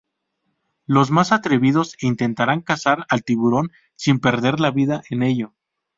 Los más atrevidos intentarán cazar al tiburón sin perder la vida en ello.